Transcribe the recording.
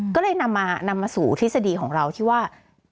ก็เลยนำมาสู่ทฤษฎีของเราที่ว่า